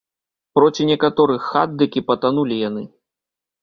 Проці некаторых хат дык і патанулі яны.